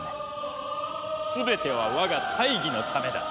全ては我が大義のためだ。